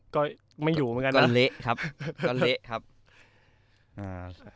ก็ไม่อยู่เหมือนกันมันเละครับก็เละครับอ่า